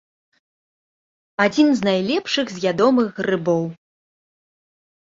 Адзін з найлепшых з ядомых грыбоў.